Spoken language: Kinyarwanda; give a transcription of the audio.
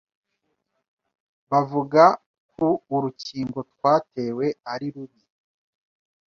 bavuga ku urukingo twatewe ari rubi